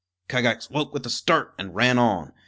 Kagax woke with a start and ran on.